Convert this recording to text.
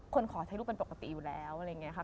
ขอถ่ายรูปเป็นปกติอยู่แล้วอะไรอย่างนี้ค่ะ